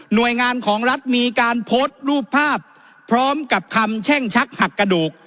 โดยงานของรัฐมีการโพสต์รูปภาพพร้อมกับคำแช่งชักหักกระดูก